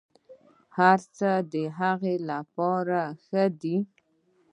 هرڅه د هغه لپاره ښه دي.